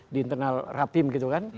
di internal rapim gitu kan